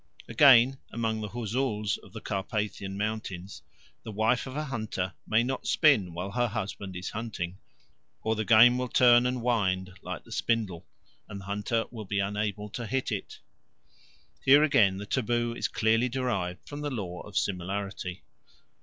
Again, among the Huzuls of the Carpathian Mountains the wife of a hunter may not spin while her husband is eating, or the game will turn and wind like the spindle, and the hunter will be unable to hit it. Here again the taboo is clearly derived from the law of similarity.